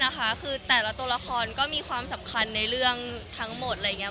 เอ่อไม่นะคะคือแต่ละตัวละครก็มีความสำคัญในเรื่องทั้งหมดอะไรอย่างเงี้ย